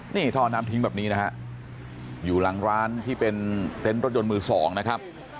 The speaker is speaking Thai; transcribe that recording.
นี่ท่อน้ำทิ้งแบบนี้นะฮะอยู่หลังร้านที่เป็นเต็นต์รถยนต์มือสองนะครับ